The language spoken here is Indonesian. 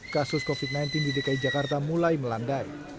kasus covid sembilan belas di dki jakarta mulai melandai